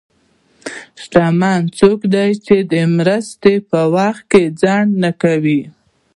شتمن څوک دی چې د مرستې په وخت کې ځنډ نه کوي.